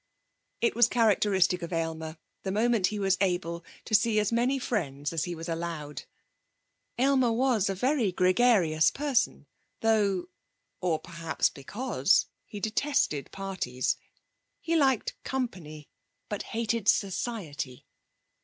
It was characteristic of Aylmer, the moment he was able, to see as many friends as he was allowed. Aylmer was a very gregarious person, though or perhaps because he detested parties. He liked company, but hated society.